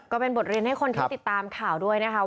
ก็เป็นบทเรียนให้คนที่ติดตามข่าวด้วยนะคะ